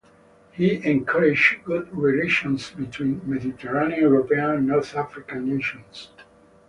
He encouraged good relations between Mediterranean European and North African nations.